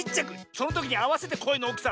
そのときにあわせてこえのおおきさ。